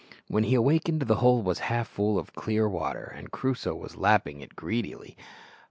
When he awakened the hole was half full of clear water, and Crusoe was lapping it greedily.